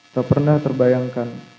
tak pernah terbayangkan